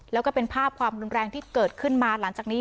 แล้วก็เป็นภาพความรุนแรงที่เกิดขึ้นมาหลังจากนี้